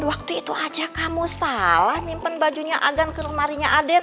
waktu itu aja kamu salah nyimpen bajunya agen ke lemarinya aden